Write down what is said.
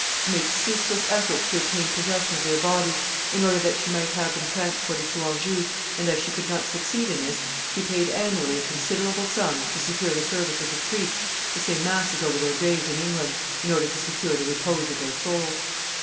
She made ceaseless efforts to obtain possession of their bodies, in order that she might have them transported to Anjou, and, as she could not succeed in this, she paid annually a considerable sum to secure the services of priests to say masses over their graves in England, in order to secure the repose of their souls. [Sidenote: Its effects.